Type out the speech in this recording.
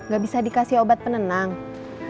gak bisa dikasih obat penenang